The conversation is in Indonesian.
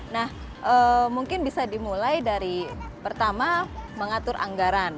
nah mungkin bisa dimulai dari pertama mengatur anggaran